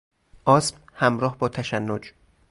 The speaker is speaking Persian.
آسم همراه با تشنج